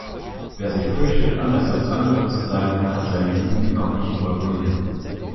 Wer sich fürchtet, anders als andere zu sein, hat seine Jugend noch nicht überwunden.